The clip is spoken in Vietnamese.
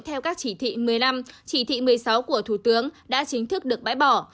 theo các chỉ thị một mươi năm chỉ thị một mươi sáu của thủ tướng đã chính thức được bãi bỏ